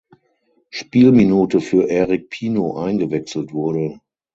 Spielminute für Eric Pino eingewechselt wurde.